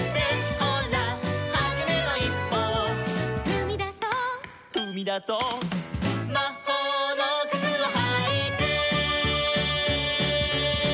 「ほらはじめのいっぽを」「ふみだそう」「ふみだそう」「まほうのくつをはいて」